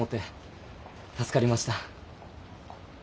助かりました。